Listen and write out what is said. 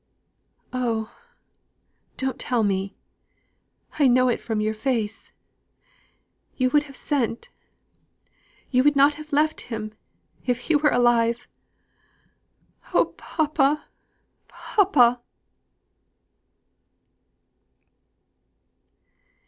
"Oh! don't tell me! I know it from your face! You would have sent you would not have left him if he were alive! Oh, papa, papa!"